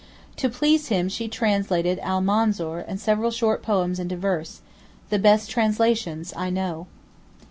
To please him she translated 'Almanzor' and several short poems into verse—the best translations I know.